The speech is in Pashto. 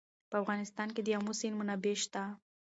په افغانستان کې د آمو سیند منابع شته.